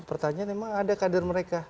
pertanyaan memang ada kader mereka